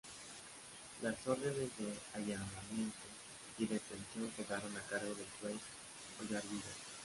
Las órdenes de allanamiento y detención quedaron a cargo del juez Oyarbide.